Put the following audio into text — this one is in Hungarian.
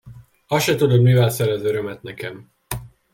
Azt se tudod, mivel szerezz örömet nekem!